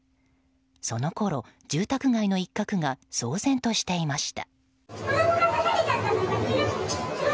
そのころ、住宅街の一角が騒然としていました。